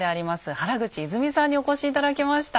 原口泉さんにお越し頂きました。